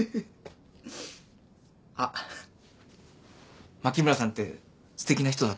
あっ牧村さんってすてきな人だったろ？